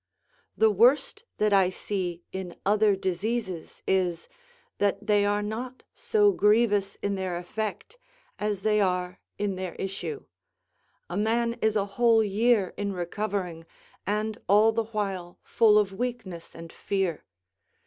The worst that I see in other diseases is, that they are not so grievous in their effect as they are in their issue: a man is a whole year in recovering, and all the while full of weakness and fear.